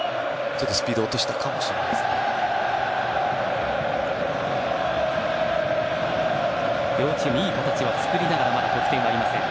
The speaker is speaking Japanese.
ちょっとスピードを落としたかもしれません。